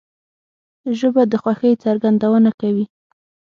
ژبه د خوښۍ څرګندونه کوي